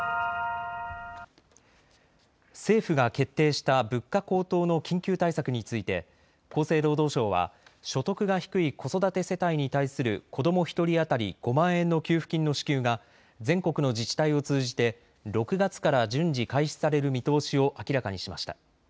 政府が決定した物価高騰の緊急対策について厚生労働省は所得が低い子育て世帯に対する子ども１人当たり５万円の給付金の支給が全国の自治体を通じて６月から順次開始される見通しを明らかにしました。